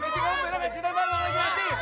nessie kamu perangnya cinta emang lagi